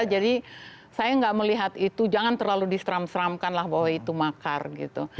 jadi saya tidak melihat itu jangan terlalu diseram seramkan bahwa itu makar gitu